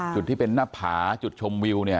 จุดที่เป็นหน้าผาจุดชมวิวเนี่ย